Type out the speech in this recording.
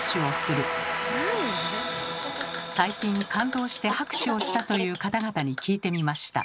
最近感動して拍手をしたという方々に聞いてみました。